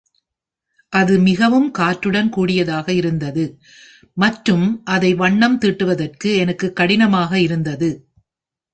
அது மிகவும் காற்றுடன் கூடியதாக இருந்தது, மற்றும் அதை வண்ணம் தீட்டுவதற்கு எனக்கு கடினமாக இருந்தது..